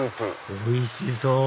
おいしそう！